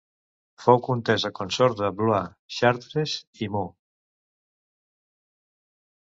Fou comtessa consort de Blois, Chartres i Meaux.